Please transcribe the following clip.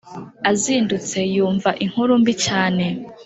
Azindutse yumva inkurumbi cyane